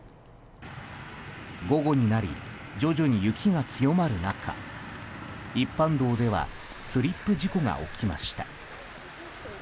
午後になり徐々に雪が強まる中一般道ではスリップ事故が起きました。